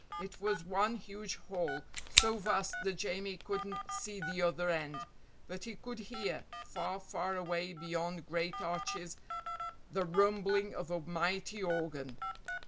It was one huge hall, so vast that Jamie couldn't see the other end, but he could hear, far, far away beyond great arches, the rumbling of a mighty organ.